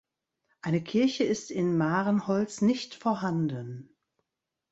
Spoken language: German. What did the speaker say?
Eine Kirche ist in Mahrenholz nicht vorhanden.